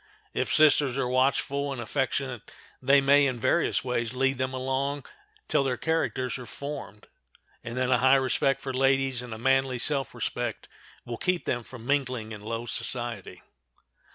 If sisters are watchful and affectionate they may in various ways lead them along till their characters are formed, and then a high respect for ladies and a manly self respect will keep them from mingling in low society.